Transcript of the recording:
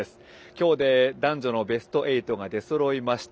今日で男女のベスト８が出そろいました。